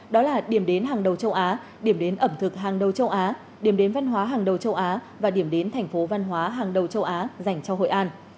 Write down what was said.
đó là điểm đến hàng đầu châu á điểm đến ẩm thực hàng đầu châu á điểm đến văn hóa hàng đầu châu á và điểm đến thành phố văn hóa hàng đầu châu á dành cho hội an